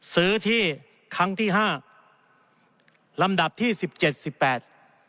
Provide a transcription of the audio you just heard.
ซื้อที่ครั้งที่ห้าลำดับที่สิบเจ็ดสิบแปด